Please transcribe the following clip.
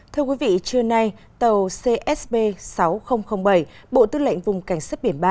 thưa quý vị trưa nay tàu csb sáu nghìn bảy bộ tư lệnh vùng cảnh sát biển ba